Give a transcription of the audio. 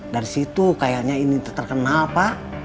dari situ kayaknya ini terkenal pak